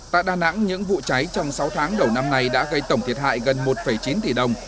tại đà nẵng những vụ cháy trong sáu tháng đầu năm nay đã gây tổng thiệt hại gần một chín tỷ đồng